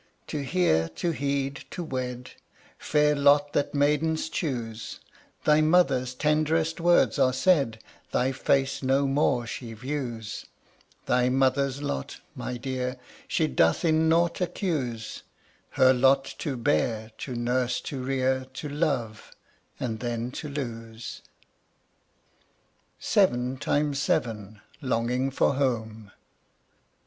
To hear, to heed, to wed, Fair lot that maidens choose, Thy mother's tenderest words are said, Thy face no more she views; Thy mother's lot, my dear, She doth in nought accuse; Her lot to bear, to nurse, to rear, To love and then to lose. SEVEN TIMES SEVEN. LONGING FOR HOME.